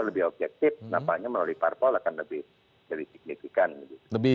lebih objektif namanya melalui